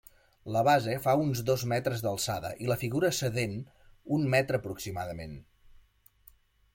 La base fa uns dos metres d'alçada i la figura sedent un metre aproximadament.